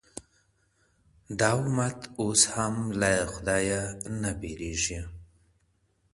دا امت اوس هم له خدايه نه بېرېږي